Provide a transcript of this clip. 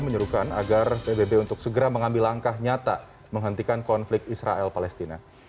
menyuruhkan agar pbb untuk segera mengambil langkah nyata menghentikan konflik israel palestina